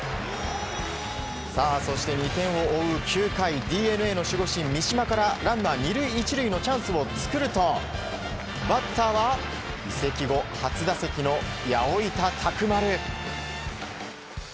そして、２点を追う９回ＤｅＮＡの守護神、三嶋からランナー２塁１塁のチャンスを作るとバッターは移籍後初打席の八百板卓丸。